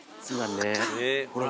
ほら